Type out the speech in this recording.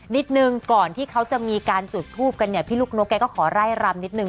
นิดนึงก่อนที่เขาจะมีการจุดทูปกันเนี่ยพี่ลูกนกแกก็ขอไล่รำนิดนึง